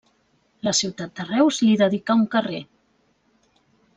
La ciutat de Reus li dedicà un carrer.